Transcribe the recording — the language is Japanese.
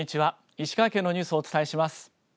石川県のニュースをお伝えします。